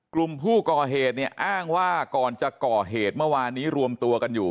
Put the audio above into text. กลุ่มผู้ก่อเหตุเนี่ยอ้างว่าก่อนจะก่อเหตุเมื่อวานนี้รวมตัวกันอยู่